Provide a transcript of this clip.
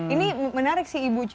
ini menarik sih ibu